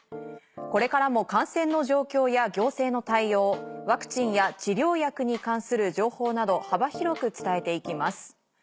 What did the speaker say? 「これからも感染の状況や行政の対応ワクチンや治療薬に関する情報など幅広く伝えて行きます。